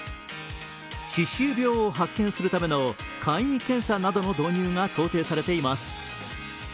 歯周病を発見するための簡易検査などの導入が想定されています。